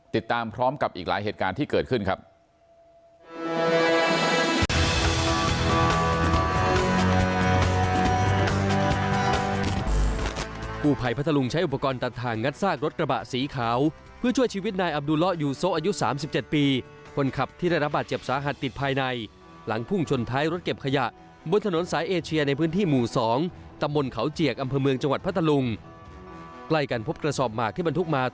ติดตามพร้อมกับอีกหลายเหตุการณ์ที่เกิดขึ้นครับ